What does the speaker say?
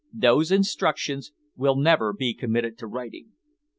Those instructions will never be committed to writing.